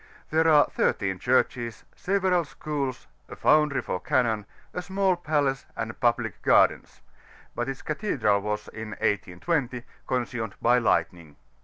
There are 13 churches, several schools, a foundry for cannon, a small palace, and public gardens ; but its cathedral was, in 1820, consumed by lightning.